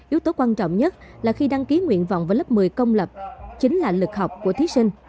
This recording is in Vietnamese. yếu tố quan trọng nhất là khi đăng ký nguyện vọng vào lớp một mươi công lập chính là lực học của thí sinh